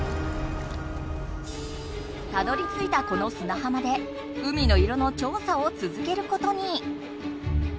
たどりついたこの砂浜で海の色のちょうさをつづけることに。